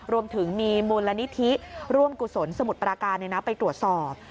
รวมถึงมีมูลนิธิร่วมกุศลสมุทรปราการไปตรวจสอบ